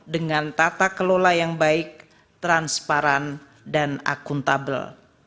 dengan tata kelola yang baik transparan dan akuntabel